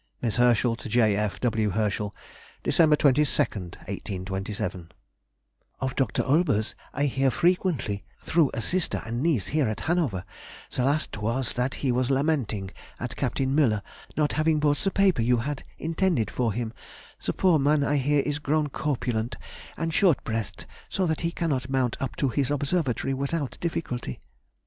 MISS HERSCHEL TO J. F. W. HERSCHEL. Dec. 22, 1827. ... Of Dr. Olbers, I hear frequently through a sister and niece here at Hanover; the last was that he was lamenting at Captain Müller not having brought the paper you had intended for him; the poor man, I hear, is grown corpulent and short breathed, so that he cannot mount up to his observatory without difficulty.